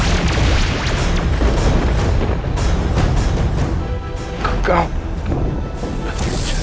aku berjanji akan menghentikan kekejianmu